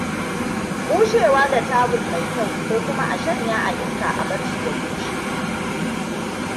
Bushewa da tawul mai kyaw kokuma a shanya a iska a barshi ya bushe.